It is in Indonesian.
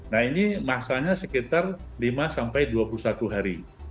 nah ini masanya sekitar lima sampai dua puluh satu hari